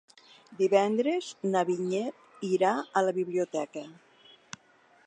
Divendres na Vinyet irà a la biblioteca.